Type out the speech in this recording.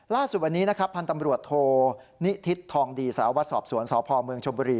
ล่าสุดวันนี้นะครับพันธ์ตำรวจโทนิทิศทองดีสารวัตรสอบสวนสพเมืองชมบุรี